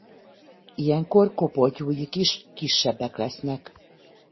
Ilyenkor kopoltyúik is kisebbek lesznek.